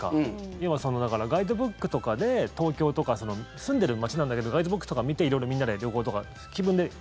今、ガイドブックとかで東京とか住んでいる街なんだけどガイドブックとか見て色々みんなで旅行とかえ？